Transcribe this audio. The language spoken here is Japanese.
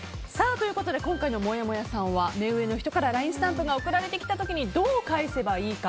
今回のもやもやさんは目上の人からＬＩＮＥスタンプが送られてきた時にどう返せばいいか。